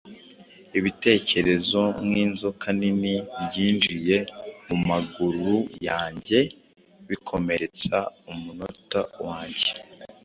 ibitekerezo nkinzoka nini Byinjiye mumaguru yanjye, bikomeretsa umunota wanjye.